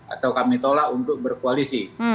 atau kami tolak untuk berkoalisi